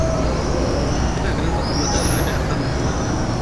Kana ganin akwai matsala ayi haka?